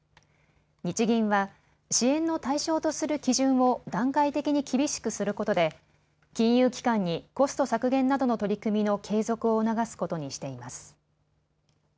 日銀は支援の対象とする基準を段階的に厳しくすることで金融機関にコスト削減などの取り組みの継続を促すことにしています。